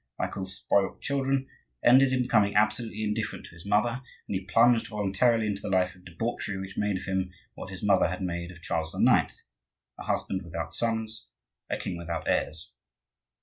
like all spoilt children, ended in becoming absolutely indifferent to his mother, and he plunged voluntarily into the life of debauchery which made of him what his mother had made of Charles IX., a husband without sons, a king without heirs.